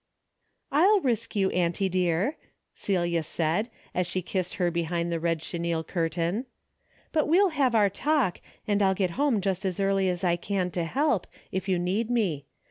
" I'll risk you, auntie dear," Celia said, as she kissed her behind the red chenille curtain. " But we'll have our talk, and I'll get home just as early as I can to help, if you need me.